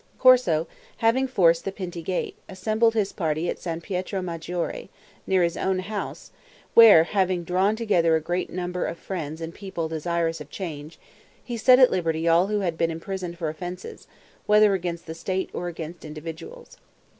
Corso, having forced the Pinti Gate, assembled his party at San Pietro Maggiore, near his own house, where, having drawn together a great number of friends and people desirous of change, he set at liberty all who had been imprisoned for offenses, whether against the state or against individuals.